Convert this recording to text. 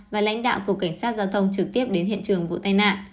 và lãnh đạo cục cảnh sát giao thông trực tiếp đến hiện trường vụ tai nạn